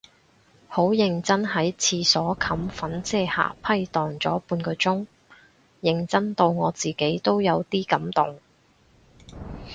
好認真喺廁所冚粉遮瑕批蕩咗半個鐘，認真到我自己都有啲感動